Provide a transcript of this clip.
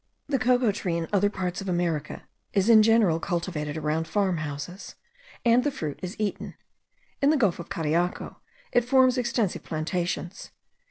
The cocoa tree, in the other parts of America, is in general cultivated around farm houses, and the fruit is eaten; in the gulf of Cariaco, it forms extensive plantations.